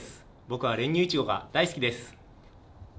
僕は練乳いちごが大好きです。